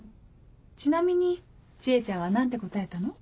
ちなみに知恵ちゃんは何て答えたの？